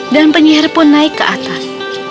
dan penyihir pun naik ke atas